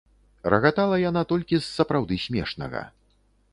Рагатала яна толькі з сапраўды смешнага.